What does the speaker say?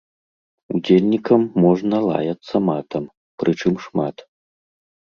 Удзельнікам можна лаяцца матам, прычым шмат.